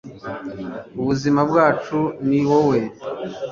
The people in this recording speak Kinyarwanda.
ubuzima bwacu ni wowe